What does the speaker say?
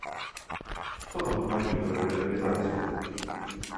Хто там гаманіў пра лібералізацыю?